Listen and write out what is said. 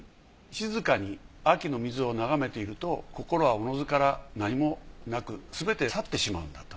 静かに秋の水を眺めていると心はおのずから何もなくすべて去ってしまうんだと。